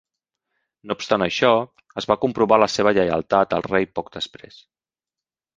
No obstant això, es va comprovar la seva lleialtat al rei poc després.